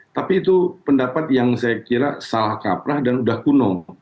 tapi itu pendapat yang saya kira salah kaprah dan udah kuno